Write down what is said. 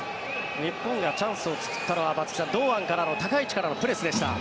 日本がチャンスを作ったのは松木さん、堂安からの高い位置からのプレスでした。